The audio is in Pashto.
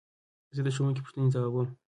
زه د ښوونکي پوښتنې ځوابوم.